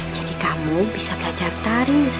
jadi kamu bisa belajar tari